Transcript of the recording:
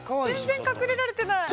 全然隠れられてない。